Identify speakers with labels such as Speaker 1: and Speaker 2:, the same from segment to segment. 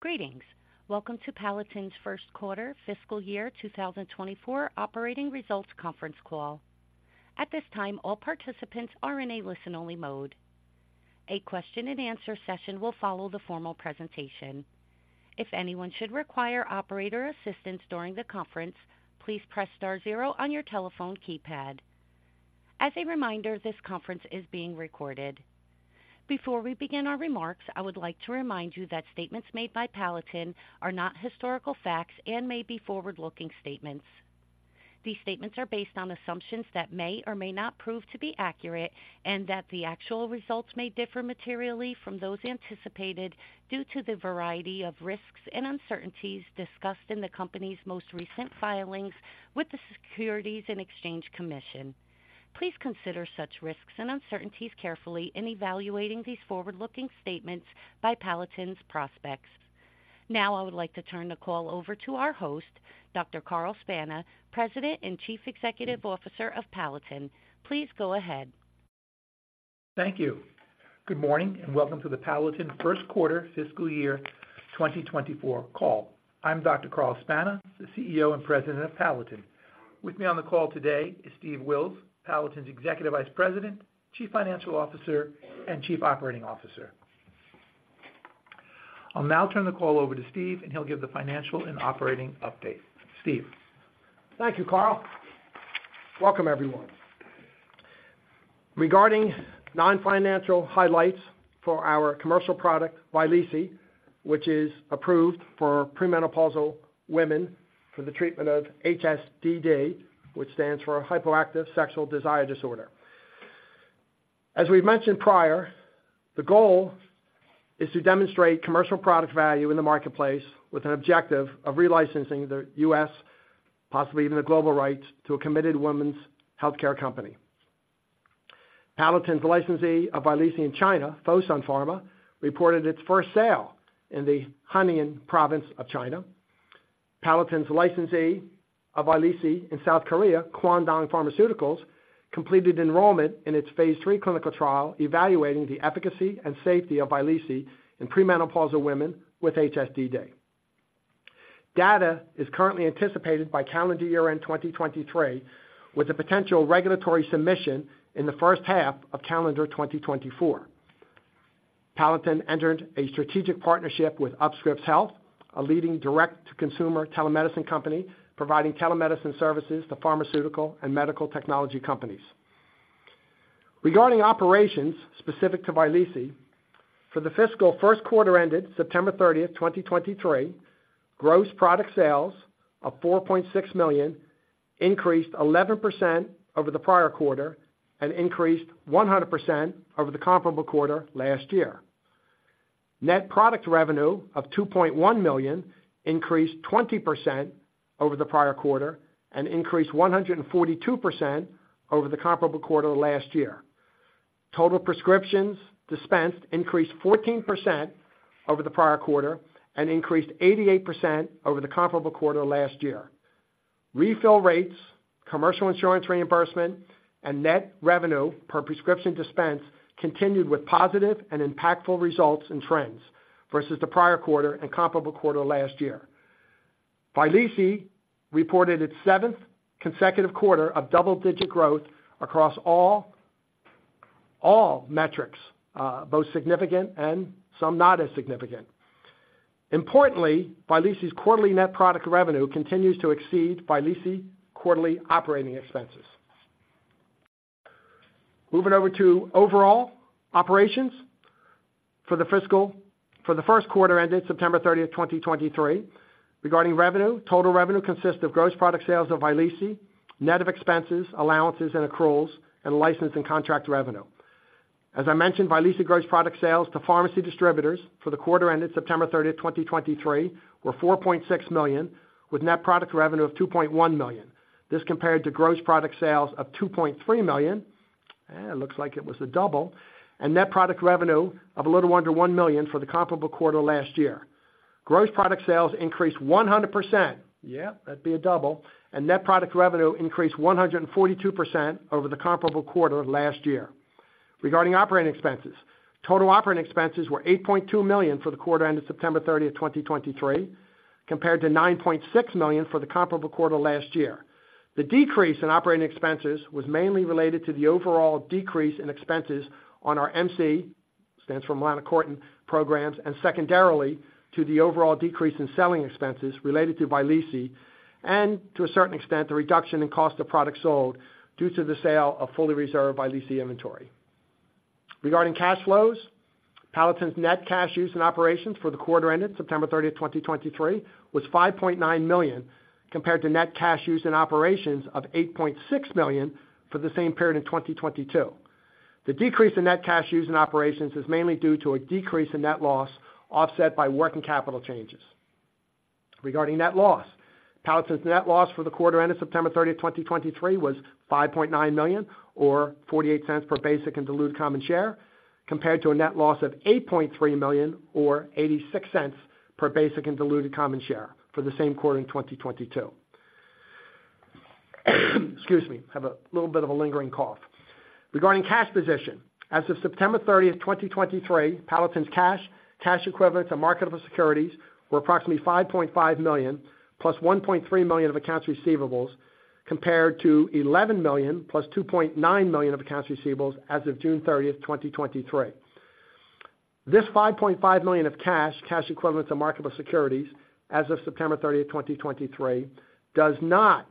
Speaker 1: Greetings. Welcome to Palatin's Q1 fiscal year 2024 operating results conference call. At this time, all participants are in a listen-only mode. A Q&A session will follow the formal presentation. If anyone should require operator assistance during the conference, please press star zero on your telephone keypad. As a reminder, this conference is being recorded. Before we begin our remarks, I would like to remind you that statements made by Palatin are not historical facts and may be forward-looking statements. These statements are based on assumptions that may or may not prove to be accurate, and that the actual results may differ materially from those anticipated due to the variety of risks and uncertainties discussed in the company's most recent filings with the Securities and Exchange Commission. Please consider such risks and uncertainties carefully in evaluating these forward-looking statements by Palatin's prospects. Now, I would like to turn the call over to our host, Dr. Carl Spana, President and Chief Executive Officer of Palatin. Please go ahead.
Speaker 2: Thank you. Good morning, and welcome to the Palatin Q1 fiscal year 2024 call. I'm Dr. Carl Spana, the CEO and President of Palatin. With me on the call today is Steve Wills, Palatin's Executive Vice President, Chief Financial Officer, and Chief Operating Officer. I'll now turn the call over to Steve, and he'll give the financial and operating update. Steve?
Speaker 3: Thank you, Carl. Welcome, everyone. Regarding non-financial highlights for our commercial product, Vyleesi, which is approved for premenopausal women for the treatment of HSDD, which stands for Hypoactive Sexual Desire Disorder. As we've mentioned prior, the goal is to demonstrate commercial product value in the marketplace with an objective of relicensing the U.S., possibly even the global rights, to a committed women's healthcare company. Palatin's licensee of Vyleesi in China, Fosun Pharma, reported its first sale in the Henan province of China. Palatin's licensee of Vyleesi in South Korea, Kwangdong Pharmaceuticals, completed enrollment in its phase III clinical trial, evaluating the efficacy and safety of Vyleesi in premenopausal women with HSDD. Data is currently anticipated by calendar year-end 2023, with a potential regulatory submission in the first half of calendar 2024. Palatin entered a strategic partnership with UpScriptHealth, a leading direct-to-consumer telemedicine company, providing telemedicine services to pharmaceutical and medical technology companies. Regarding operations specific to Vyleesi, for the fiscal Q1 ended September 30th, 2023, gross product sales of $4.6 million increased 11% over the prior quarter and increased 100% over the comparable quarter last year. Net product revenue of $2.1 million increased 20% over the prior quarter and increased 142% over the comparable quarter last year. Total prescriptions dispensed increased 14% over the prior quarter and increased 88% over the comparable quarter last year. Refill rates, commercial insurance reimbursement, and net revenue per prescription dispensed continued with positive and impactful results and trends versus the prior quarter and comparable quarter last year. Vyleesi reported its seventh consecutive quarter of double-digit growth across all metrics, both significant and some not as significant. Importantly, Vyleesi's quarterly net product revenue continues to exceed Vyleesi quarterly operating expenses. Moving over to overall operations for the Q1 ended September 30, 2023. Regarding revenue, total revenue consists of gross product sales of Vyleesi, net of expenses, allowances and accruals, and license and contract revenue. As I mentioned, Vyleesi gross product sales to pharmacy distributors for the quarter ended September 30, 2023, were $4.6 million, with net product revenue of $2.1 million. This compared to gross product sales of $2.3 million, it looks like it was a double, and net product revenue of a little under $1 million for the comparable quarter last year. Gross product sales increased 100%. Yeah, that'd be a double. And net product revenue increased 142% over the comparable quarter last year. Regarding operating expenses, total operating expenses were $8.2 million for the quarter ended September 30, 2023, compared to $9.6 million for the comparable quarter last year. The decrease in operating expenses was mainly related to the overall decrease in expenses on our MC stands for melanocortin, programs, and secondarily, to the overall decrease in selling expenses related to Vyleesi, and to a certain extent, the reduction in cost of product sold due to the sale of fully reserved Vyleesi inventory. Regarding cash flows, Palatin's net cash used in operations for the quarter ended September 30, 2023, was $5.9 million, compared to net cash used in operations of $8.6 million for the same period in 2022. The decrease in net cash used in operations is mainly due to a decrease in net loss, offset by working capital changes. Regarding net loss, Palatin's net loss for the quarter ended September 30, 2023, was $5.9 million, or $0.48 per basic and diluted common share, compared to a net loss of $8.3 million, or $0.86 per basic and diluted common share for the same quarter in 2022. Excuse me, I have a little bit of a lingering cough. Regarding cash position, as of September 30, 2023, Palatin's cash, cash equivalents, and marketable securities were approximately $5.5 million, plus $1.3 million of accounts receivables, compared to $11 million plus $2.9 million of accounts receivables as of June 30, 2023. This $5.5 million of cash, cash equivalents, and marketable securities as of September 30th, 2023, does not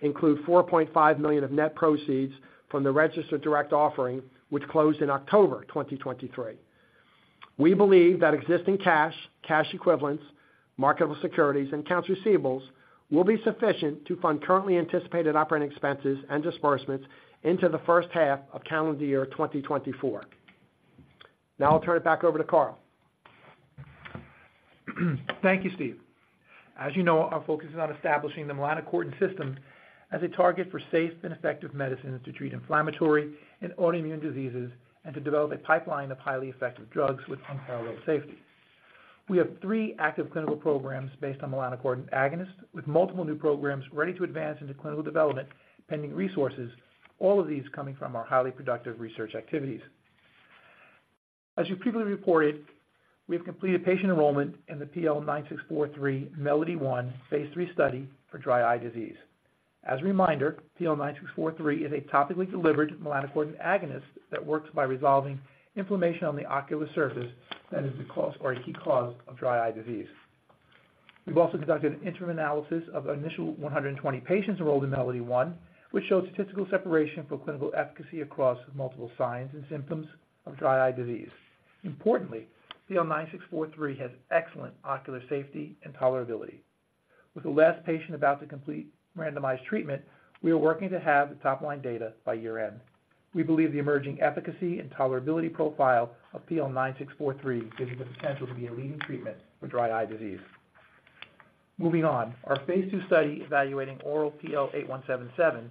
Speaker 3: include $4.5 million of net proceeds from the registered direct offering, which closed in October 2023. We believe that existing cash, cash equivalents, marketable securities, and accounts receivables will be sufficient to fund currently anticipated operating expenses and disbursements into the first half of calendar year 2024. Now I'll turn it back over to Carl.
Speaker 2: Thank you, Steve. As you know, our focus is on establishing the melanocortin system as a target for safe and effective medicines to treat inflammatory and autoimmune diseases, and to develop a pipeline of highly effective drugs with unparalleled safety. We have three active clinical programs based on melanocortin agonists, with multiple new programs ready to advance into clinical development, pending resources, all of these coming from our highly productive research activities. As you previously reported, we have completed patient enrollment in the PL9643, MELODY-1, phase III study for dry eye disease. As a reminder, PL9643 is a topically delivered melanocortin agonist that works by resolving inflammation on the ocular surface that is the cause or a key cause of dry eye disease. We've also conducted an interim analysis of initial 120 patients enrolled in MELODY-1, which shows statistical separation for clinical efficacy across multiple signs and symptoms of dry eye disease. Importantly, PL9643 has excellent ocular safety and tolerability. With the last patient about to complete randomized treatment, we are working to have the top-line data by year-end. We believe the emerging efficacy and tolerability profile of PL9643 gives it the potential to be a leading treatment for dry eye disease. Moving on. Our phase II study, evaluating oral PL8177,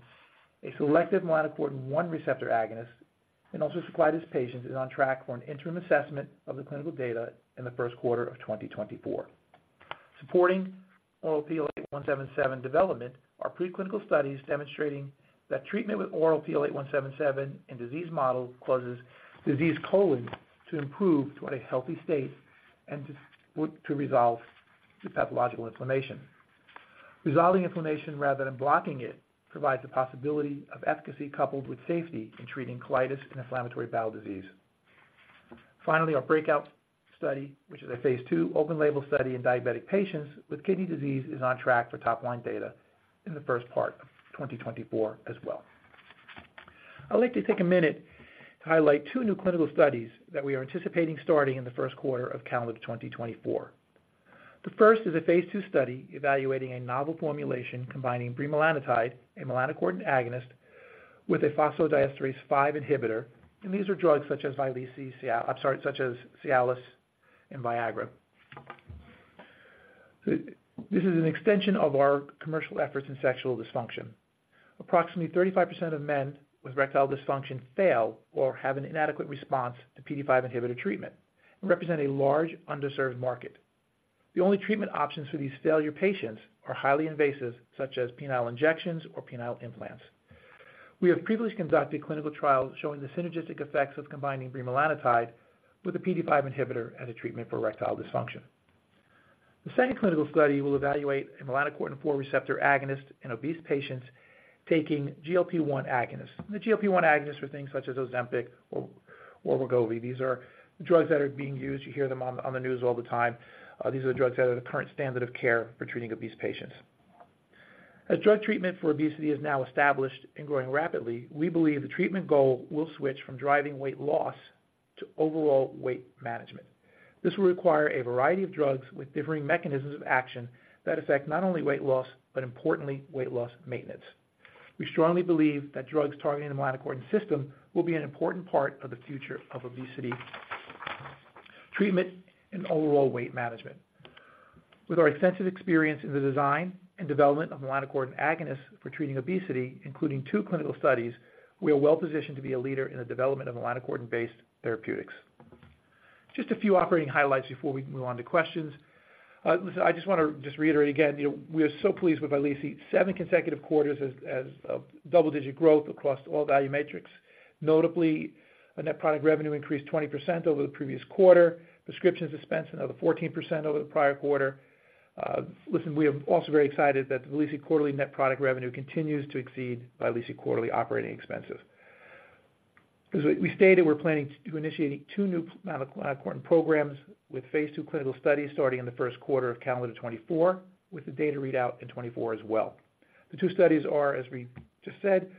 Speaker 2: a selective melanocortin-1 receptor agonist in ulcerative colitis patients, is on track for an interim assessment of the clinical data in the Q1 of 2024. Supporting oral PL8177 development are preclinical studies demonstrating that treatment with oral PL8177 in disease model causes disease colon to improve toward a healthy state and to resolve the pathological inflammation. Resolving inflammation rather than blocking it provides the possibility of efficacy coupled with safety in treating colitis and inflammatory bowel disease. Finally, our BREAKOUT study, which is a phase II open-label study in diabetic patients with kidney disease, is on track for top-line data in the first part of 2024 as well. I'd like to take a minute to highlight two new clinical studies that we are anticipating starting in the Q1 of calendar 2024. The first is a phase II study evaluating a novel formulation combining bremelanotide, a melanocortin agonist, with a phosphodiesterase inhibitor, and these are drugs such as Vyleesi, such as Cialis and Viagra. This is an extension of our commercial efforts in sexual dysfunction. Approximately 35% of men with erectile dysfunction fail or have an inadequate response to PDE5 inhibitor treatment and represent a large underserved market. The only treatment options for these failure patients are highly invasive, such as penile injections or penile implants. We have previously conducted clinical trials showing the synergistic effects of combining bremelanotide with a PDE5 inhibitor as a treatment for erectile dysfunction. The second clinical study will evaluate a melanocortin-4 receptor agonist in obese patients taking GLP-1 agonists. The GLP-1 agonists are things such as Ozempic or Wegovy. These are drugs that are being used. You hear them on the news all the time. These are the drugs that are the current standard of care for treating obese patients. As drug treatment for obesity is now established and growing rapidly, we believe the treatment goal will switch from driving weight loss to overall weight management. This will require a variety of drugs with differing mechanisms of action that affect not only weight loss, but importantly, weight loss maintenance. We strongly believe that drugs targeting the melanocortin system will be an important part of the future of obesity treatment and overall weight management. With our extensive experience in the design and development of melanocortin agonists for treating obesity, including two clinical studies, we are well positioned to be a leader in the development of melanocortin-based therapeutics. Just a few operating highlights before we can move on to questions. Listen, I just want to just reiterate again, you know, we are so pleased with Vyleesi. Seven consecutive quarters double-digit growth across all value metrics. Notably, our net product revenue increased 20% over the previous quarter. Prescriptions dispensed another 14% over the prior quarter. Listen, we are also very excited that Vyleesi quarterly net product revenue continues to exceed Vyleesi quarterly operating expenses. As we stated, we're planning to initiating two new melanocortin programs, with phase II clinical studies starting in the Q1 of calendar 2024, with the data readout in 2024 as well. The two studies are, as we just said,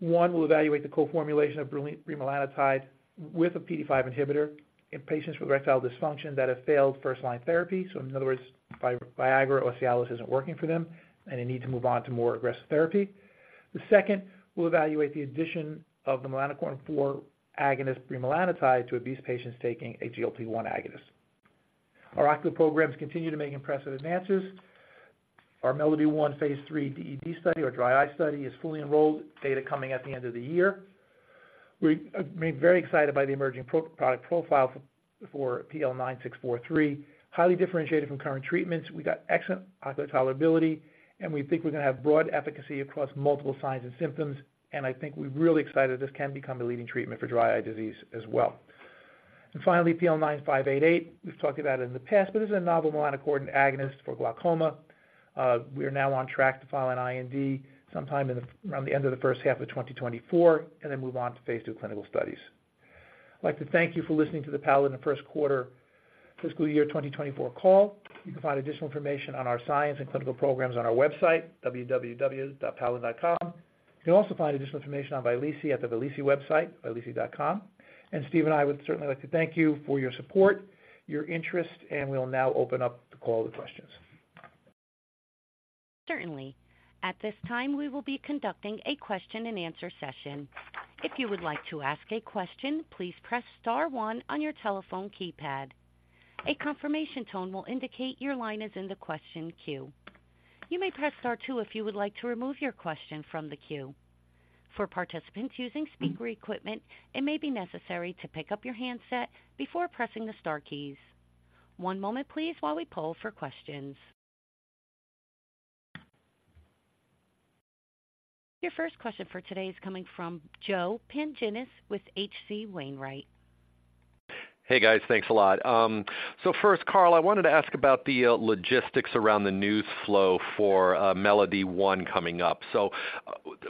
Speaker 2: one will evaluate the co-formulation of bremelanotide with a PDE5 inhibitor in patients with erectile dysfunction that have failed first-line therapy. So in other words, Viagra or Cialis isn't working for them, and they need to move on to more aggressive therapy. The second will evaluate the addition of the melanocortin four agonist bremelanotide to obese patients taking a GLP-1 agonist. Our ocular programs continue to make impressive advances. Our MELODY-1 phase III DED study, our dry eye study, is fully enrolled, data coming at the end of the year. We're very excited by the emerging product profile for PL-9643, highly differentiated from current treatments. We got excellent ocular tolerability, and we think we're gonna have broad efficacy across multiple signs and symptoms, and I think we're really excited this can become the leading treatment for dry eye disease as well. And finally, PL-9588. We've talked about it in the past, but this is a novel melanocortin agonist for glaucoma. We are now on track to file an IND sometime around the end of the first half of 2024, and then move on to phase II clinical studies. I'd like to thank you for listening to the Palatin in the Q1 fiscal year 2024 call. You can find additional information on our science and clinical programs on our website, www.palatin.com. You can also find additional information on Vyleesi at the Vyleesi website, vyleesi.com. Steve and I would certainly like to thank you for your support, your interest, and we'll now open up the call to questions.
Speaker 1: Certainly. At this time, we will be conducting a question-and-answer session. If you would like to ask a question, please press star one on your telephone keypad. A confirmation tone will indicate your line is in the question queue. You may press star two if you would like to remove your question from the queue. For participants using speaker equipment, it may be necessary to pick up your handset before pressing the star keys. One moment please, while we poll for questions. Your first question for today is coming from Joe Pantginis with HC Wainwright.
Speaker 4: Hey, guys. Thanks a lot. So first, Carl, I wanted to ask about the logistics around the news flow for MELODY-1 coming up. So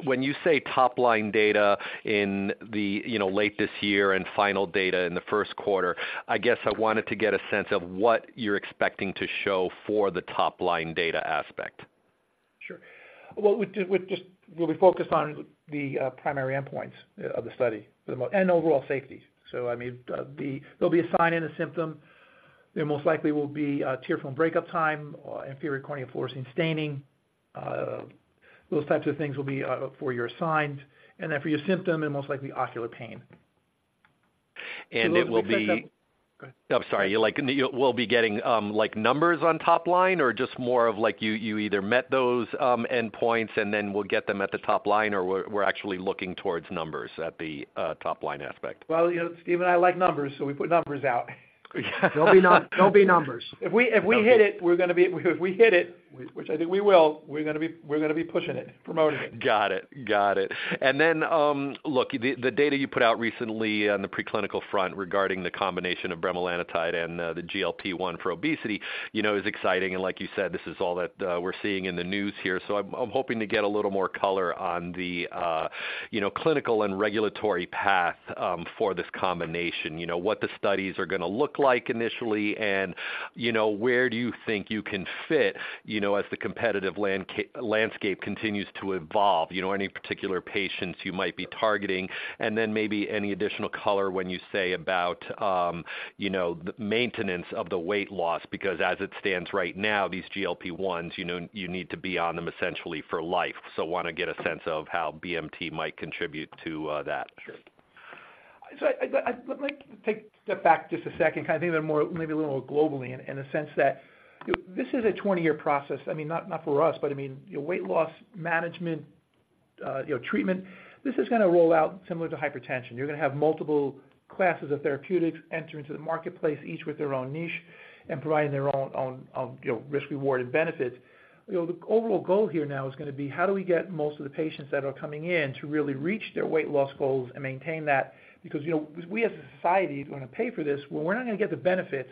Speaker 4: when you say top-line data in the, you know, late this year and final data in the Q1, I guess I wanted to get a sense of what you're expecting to show for the top-line data aspect.
Speaker 2: Sure. Well, we'll be focused on the primary endpoints of the study for the most... And overall safety. So I mean, there'll be a sign and a symptom. There most likely will be a tear from breakup time or inferior corneal fluorescein staining. Those types of things will be for your signs and then for your symptom, and most likely ocular pain.
Speaker 4: And it will be-
Speaker 2: Go ahead.
Speaker 4: I'm sorry. You like will be getting like numbers on top-line or just more of like you you either met those endpoints and then we'll get them at the top-line, or we're actually looking towards numbers at the top-line aspect?
Speaker 2: Well, you know, Steve and I like numbers, so we put numbers out.
Speaker 4: There'll be numbers.
Speaker 2: If we hit it, which I think we will, we're gonna be pushing it, promoting it.
Speaker 4: Got it. And then, look, the data you put out recently on the preclinical front regarding the combination of bremelanotide and the GLP-1 for obesity, you know, is exciting. And like you said, this is all that we're seeing in the news here. So I'm hoping to get a little more color on the, you know, clinical and regulatory path for this combination. You know, what the studies are gonna look like initially, and, you know, where do you think you can fit, you know, as the competitive landscape continues to evolve? You know, any particular patients you might be targeting, and then maybe any additional color when you say about, you know, the maintenance of the weight loss. Because as it stands right now, these GLP-1s, you know, you need to be on them essentially for life. So, want to get a sense of how BMT might contribute to that.
Speaker 2: Sure. So I let me take a step back just a second, kind of think a little more, maybe a little more globally in the sense that this is a 20-year process. I mean, not for us, but I mean, weight loss management, you know, treatment, this is gonna roll out similar to hypertension. You're gonna have multiple classes of therapeutics entering into the marketplace, each with their own niche and providing their own, you know, risk, reward, and benefits. You know, the overall goal here now is gonna be, how do we get most of the patients that are coming in to really reach their weight loss goals and maintain that? Because, you know, we as a society, are gonna pay for this, well, we're not gonna get the benefits.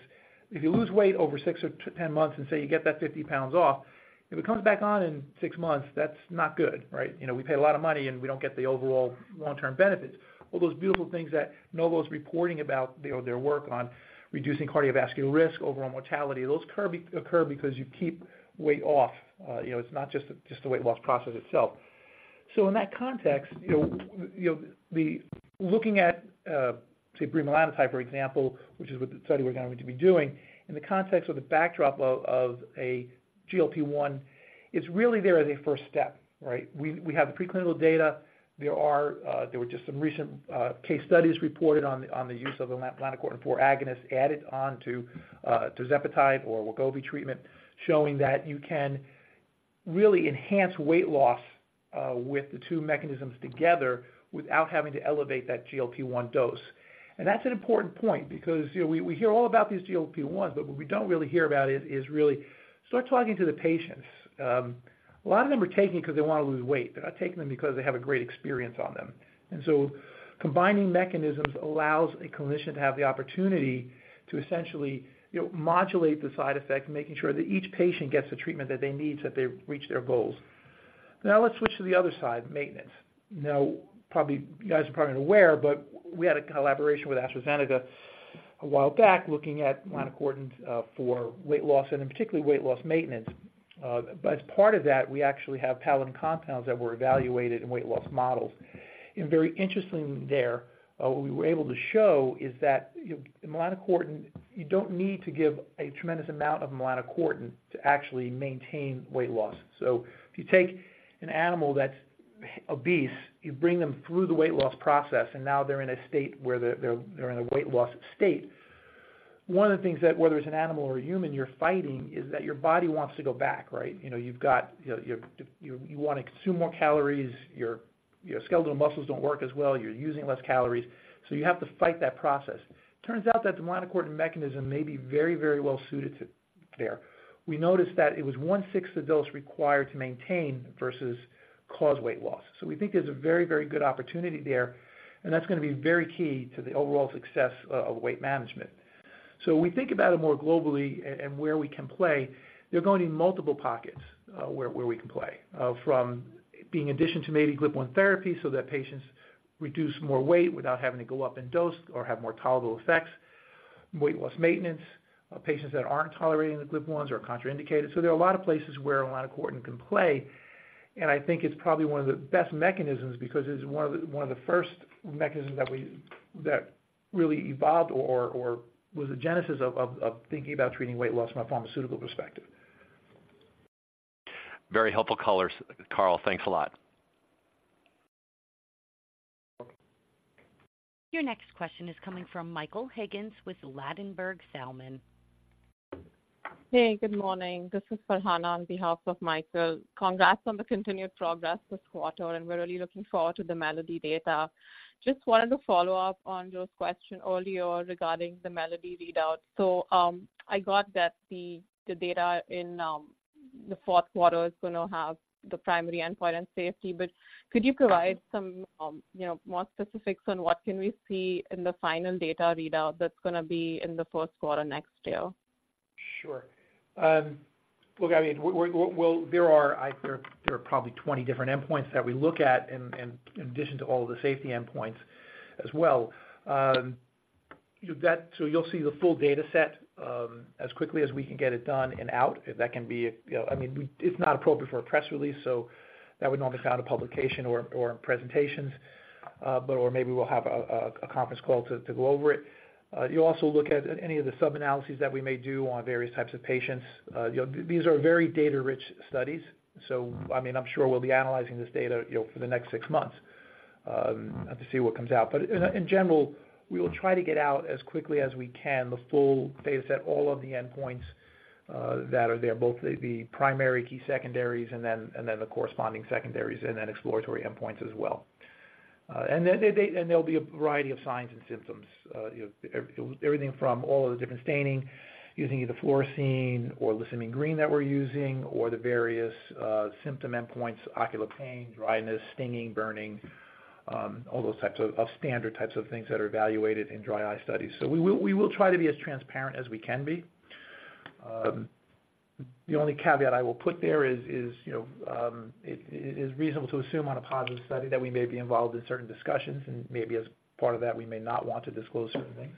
Speaker 2: If you lose weight over 6 or 10 months and say you get that 50 pounds off, if it comes back on in 6 months, that's not good, right? You know, we paid a lot of money, and we don't get the overall long-term benefits. All those beautiful things that Novo's reporting about, you know, their work on reducing cardiovascular risk, overall mortality, those occur because you keep weight off. You know, it's not just the weight loss process itself. So in that context, you know, Looking at, say, bremelanotide, for example, which is what the study we're going to be doing, in the context of the backdrop of a GLP-1, it's really there as a first step, right? We have the preclinical data. There are, there were just some recent, case studies reported on the, on the use of the melanocortin-4 agonist added on to, tirzepatide or Wegovy treatment, showing that you can really enhance weight loss, with the two mechanisms together without having to elevate that GLP-1 dose. And that's an important point because, you know, we hear all about these GLP-1s, but what we don't really hear about is really start talking to the patients. A lot of them are taking it because they wanna lose weight. They're not taking them because they have a great experience on them. And so combining mechanisms allows a clinician to have the opportunity to essentially, you know, modulate the side effects, making sure that each patient gets the treatment that they need, so they reach their goals. Now, let's switch to the other side, maintenance. Now, probably, you guys are probably aware, but we had a collaboration with AstraZeneca a while back, looking at melanocortin for weight loss and in particular, weight loss maintenance. But as part of that, we actually have Palatin compounds that were evaluated in weight loss models. And very interestingly there, what we were able to show is that, you know, melanocortin, you don't need to give a tremendous amount of melanocortin to actually maintain weight loss. So if you take an animal that's obese, you bring them through the weight loss process, and now they're in a state where they're, in a weight loss state. One of the things that, whether it's an animal or a human, you're fighting, is that your body wants to go back, right? You know, you've got, you know, you want to consume more calories. Your skeletal muscles don't work as well, you're using less calories, so you have to fight that process. Turns out that the melanocortin mechanism may be very, very well suited to there. We noticed that it was 1/6 the dose required to maintain versus cause weight loss. So we think there's a very, very good opportunity there, and that's gonna be very key to the overall success of weight management. So when we think about it more globally and where we can play, there are going to be multiple pockets where we can play. From being addition to maybe GLP-1 therapy so that patients reduce more weight without having to go up in dose or have more tolerable effects, weight loss maintenance, patients that aren't tolerating the GLP-1s or are contraindicated. There are a lot of places where melanocortin can play, and I think it's probably one of the best mechanisms, because it's one of the first mechanisms that really evolved or was the genesis of thinking about treating weight loss from a pharmaceutical perspective.
Speaker 4: Very helpful, Carl. Carl, thanks a lot.
Speaker 1: Your next question is coming from Michael Higgins, with Ladenburg Thalmann.
Speaker 5: Hey, good morning. This is Farhana on behalf of Michael. Congrats on the continued progress this quarter, and we're really looking forward to the MELODY-1 data. Just wanted to follow up on Joe's question earlier regarding the Melody readout. So, I got that the data in the Q4 is gonna have the primary endpoint and safety, but could you provide some you know more specifics on what can we see in the final data readout that's gonna be in the Q1 next year?
Speaker 2: Sure. Look, I mean, we well, there are probably 20 different endpoints that we look at in addition to all of the safety endpoints as well. You've got so you'll see the full data set as quickly as we can get it done and out. If that can be, you know, I mean, it's not appropriate for a press release, so that would normally find a publication or presentations, but or maybe we'll have a conference call to go over it. You also look at any of the sub-analysis that we may do on various types of patients. You know, these are very data-rich studies, so, I mean, I'm sure we'll be analyzing this data, you know, for the next six months to see what comes out. But in general, we will try to get out as quickly as we can, the full data set, all of the endpoints that are there, both the primary, key secondaries, and then the corresponding secondaries, and then exploratory endpoints as well. And there'll be a variety of signs and symptoms, you know, everything from all of the different staining using either fluorescein or lissamine green that we're using, or the various symptom endpoints, ocular pain, dryness, stinging, burning, all those types of standard types of things that are evaluated in dry eye studies. So we will try to be as transparent as we can be. The only caveat I will put there is, you know, it is reasonable to assume on a positive study that we may be involved in certain discussions, and maybe as part of that, we may not want to disclose certain things.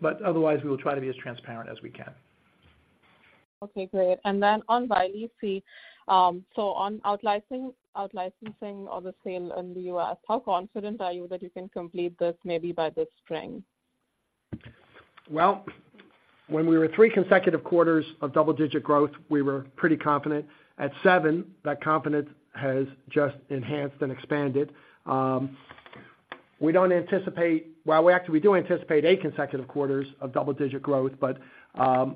Speaker 2: But otherwise, we will try to be as transparent as we can.
Speaker 6: Okay, great. And then on Vyleesi, so on out-licensing or the sale in the U.S., how confident are you that you can complete this maybe by this spring?
Speaker 2: Well, when we were three consecutive quarters of double-digit growth, we were pretty confident. At seven, that confidence has just enhanced and expanded. We don't anticipate... Well, we actually, we do anticipate eight consecutive quarters of double-digit growth, but,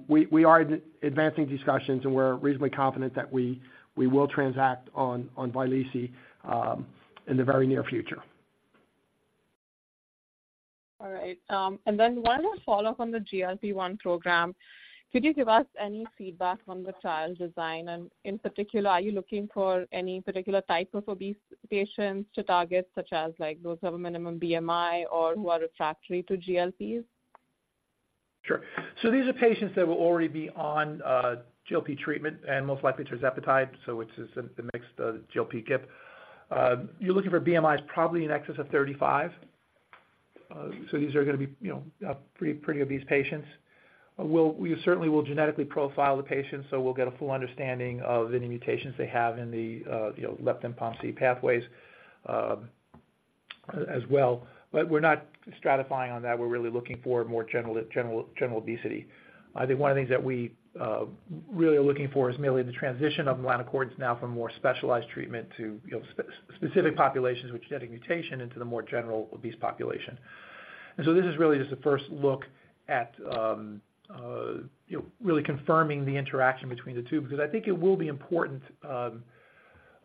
Speaker 2: we, we are in advancing discussions, and we're reasonably confident that we, we will transact on Vyleesi, in the very near future.
Speaker 6: All right, and then one more follow-up on the GLP-1 program. Could you give us any feedback on the trial design? In particular, are you looking for any particular type of obese patients to target, such as, like, those of a minimum BMI or who are refractory to GLPs?
Speaker 2: Sure. So these are patients that will already be on GLP treatment, and most likely, tirzepatide, so which is the mixed GLP-1. You're looking for BMIs probably in excess of 35. So these are gonna be, you know, pretty, pretty obese patients. We certainly will genetically profile the patients, so we'll get a full understanding of any mutations they have in the, you know, leptin-POMC pathways, as well. But we're not stratifying on that. We're really looking for more general obesity. I think one of the things that we really are looking for is mainly the transition of melanocortin now from more specialized treatment to, you know, specific populations with genetic mutation into the more general obese population. And so this is really just the first look at, you know, really confirming the interaction between the two. Because I think it will be important, you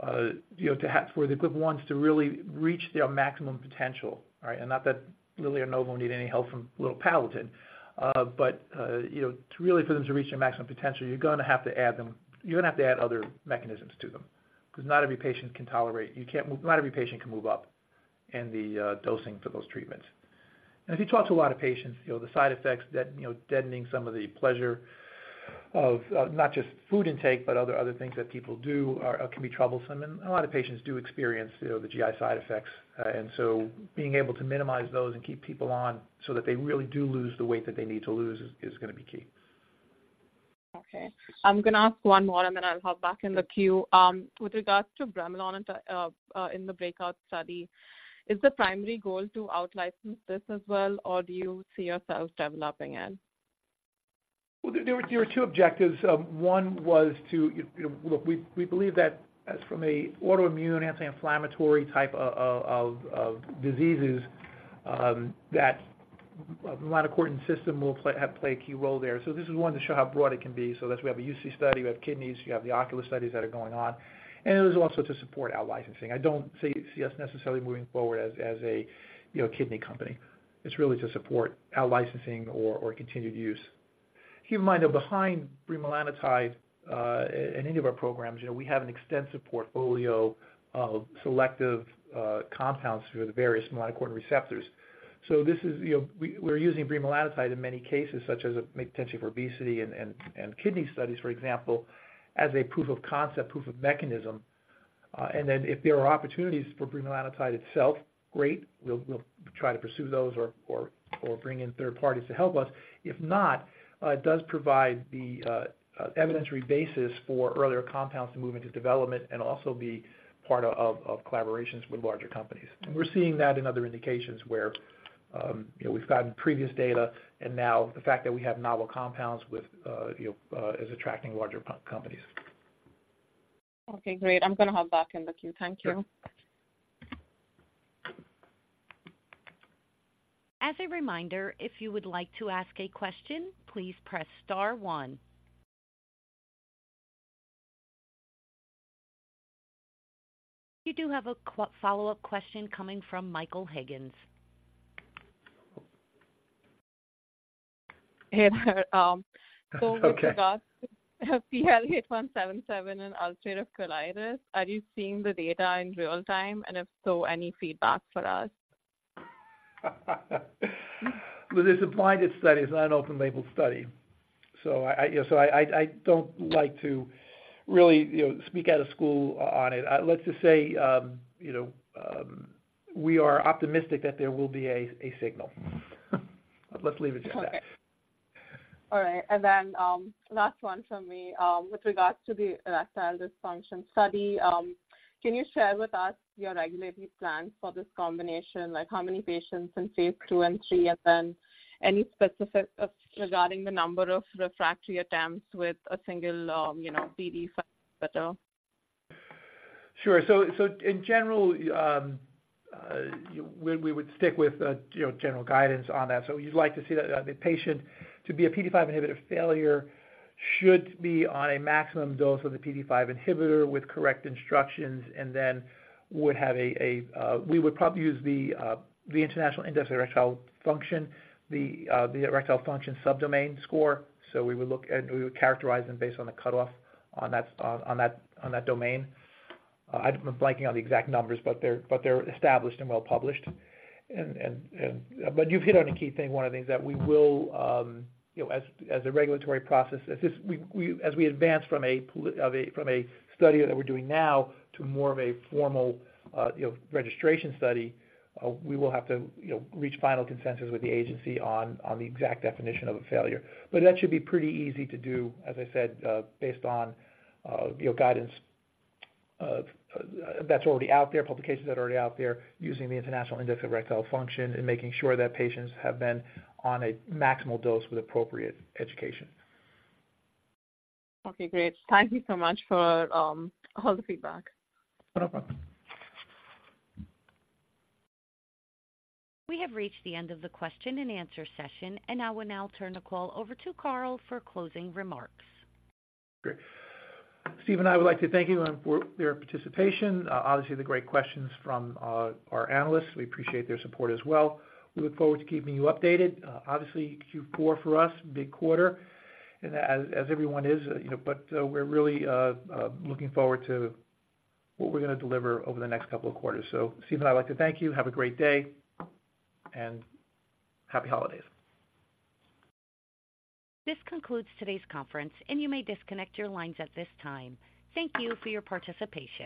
Speaker 2: know, to have for the GLP-1s to really reach their maximum potential, right? And not that Lilly or Novo need any help from little Palatin, but, you know, to really for them to reach their maximum potential, you're gonna have to add them you're gonna have to add other mechanisms to them. Because not every patient can tolerate, you can't move not every patient can move up in the, dosing for those treatments. And if you talk to a lot of patients, you know, the side effects, that, you know, deadening some of the pleasure of, not just food intake, but other things that people do are, can be troublesome. A lot of patients do experience, you know, the GI side effects. And so being able to minimize those and keep people on, so that they really do lose the weight that they need to lose, is gonna be key.
Speaker 6: Okay. I'm gonna ask one more, and then I'll hop back in the queue. With regards to bremelanotide, in the breakout study, is the primary goal to outlicense this as well, or do you see yourself developing it?
Speaker 2: Well, there were two objectives. One was to, you know, look, we believe that in autoimmune anti-inflammatory type of diseases, that melanocortin system will play a key role there. So this is one to show how broad it can be. So that's we have a UC study, we have kidneys, you have the ocular studies that are going on, and it was also to support our licensing. I don't see us necessarily moving forward as, you know, a kidney company. It's really to support our licensing or continued use. Keep in mind, though, behind bremelanotide and any of our programs, you know, we have an extensive portfolio of selective compounds for the various melanocortin receptors. So this is, you know, we're using bremelanotide in many cases, such as a potentially for obesity and kidney studies, for example, as a proof of concept, proof of mechanism. And then if there are opportunities for bremelanotide itself, great, we'll try to pursue those or bring in third parties to help us. If not, it does provide the evidentiary basis for earlier compounds to move into development and also be part of collaborations with larger companies. And we're seeing that in other indications where, you know, we've gotten previous data, and now the fact that we have novel compounds with, you know, is attracting larger companies.
Speaker 6: Okay, great. I'm gonna hop back in the queue. Thank you.
Speaker 2: Sure.
Speaker 1: As a reminder, if you would like to ask a question, please press star one. We do have a follow-up question coming from Michael Higgins.
Speaker 6: Hey there,
Speaker 2: Okay.
Speaker 6: With regards to PL8177 and ulcerative colitis, are you seeing the data in real time? And if so, any feedback for us?
Speaker 2: Well, this is a blinded study. It's not an open label study, so you know, so I don't like to really, you know, speak out of school on it. Let's just say, you know, we are optimistic that there will be a signal. Let's leave it at that.
Speaker 6: Okay. All right, and then, last one from me. With regards to the erectile dysfunction study, can you share with us your regulatory plans for this combination? Like, how many patients in phase II and III, and then any specific regarding the number of refractory attempts with a single, you know, PDE5 inhibitor?
Speaker 2: Sure. So in general, we would stick with, you know, general guidance on that. So you'd like to see that the patient, to be a PDE5 inhibitor failure, should be on a maximum dose of the PDE5 inhibitor with correct instructions, and then would have a, we would probably use the International Index of Erectile Function, the erectile function subdomain score. So we would look and we would characterize them based on the cut-off on that domain. I'm blanking on the exact numbers, but they're established and well published. But you've hit on a key thing, one of the things that we will, you know, as a regulatory process, as we advance from a study that we're doing now to more of a formal, you know, registration study, we will have to, you know, reach final consensus with the agency on the exact definition of a failure. But that should be pretty easy to do, as I said, based on, you know, guidance that's already out there, publications that are already out there, using the International Index of Erectile Function and making sure that patients have been on a maximal dose with appropriate education.
Speaker 6: Okay, great. Thank you so much for all the feedback.
Speaker 2: No problem.
Speaker 1: We have reached the end of the Q&A session, and I will now turn the call over to Carl for closing remarks.
Speaker 2: Great. Steve and I would like to thank you for your participation. Obviously, the great questions from our analysts. We appreciate their support as well. We look forward to keeping you updated. Obviously, Q4 for us, big quarter and as everyone is, you know, but we're really looking forward to what we're gonna deliver over the next couple of quarters. So Steve and I would like to thank you. Have a great day, and happy holidays.
Speaker 1: This concludes today's conference, and you may disconnect your lines at this time. Thank you for your participation.